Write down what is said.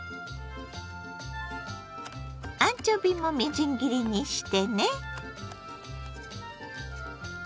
アンチョビもみじん切りにしてね。